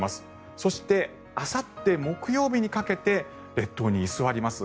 そして、あさって木曜日にかけて列島に居座ります。